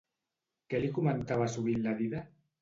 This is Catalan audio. Què li comentava sovint la dida?